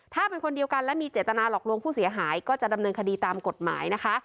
ถ้าเป็นคนเดียวกันและมีเจตนาหลอกลวงผู้เสียหายก็จะดำเนินคดีตามกฎหมายนะคะ